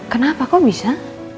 kenapa kok bisa